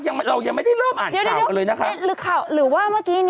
เรายังไม่ได้เริ่มอ่านข่าวเลยนะคะหรือข่าวหรือว่าเมื่อกี้